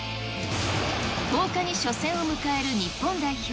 １０日に初戦を迎える日本代表。